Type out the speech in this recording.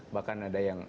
bahkan ada yang